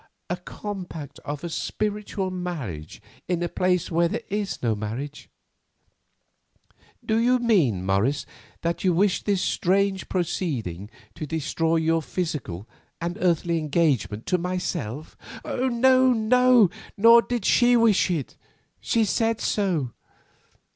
"A compact of a spiritual marriage in a place where there is no marriage. Do you mean, Morris, that you wish this strange proceeding to destroy your physical and earthly engagement to myself?" "No, no; nor did she wish it; she said so.